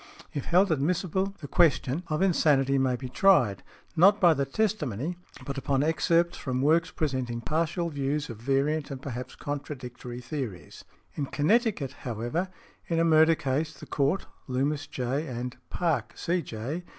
If held admissible the question (of insanity) may be tried, not by the testimony, but upon excerpts from works presenting partial views of variant and perhaps contradictory theories . In Connecticut, however, in a murder case the Court (Loomis, J., and Park, C.J.